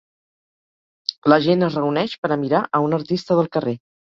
La gent es reuneix per a mirar a un artista del carrer.